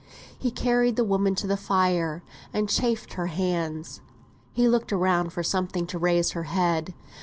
He carried the woman to the fire, and chafed her hands. He looked around for something to raise her head.